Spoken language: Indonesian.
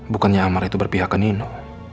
bukannya amar itu berpihak ke nino